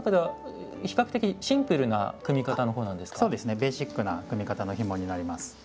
ベーシックな組み方のひもになります。